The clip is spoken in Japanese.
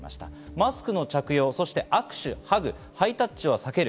マスクの着用、握手、ハグ、ハイタッチは避ける。